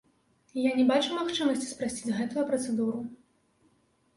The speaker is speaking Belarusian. І я не бачу магчымасці спрасціць гэтую працэдуру.